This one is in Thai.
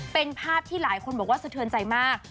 เป็นภาพที่หลายคนบอกว่าสะเทือนใจมาก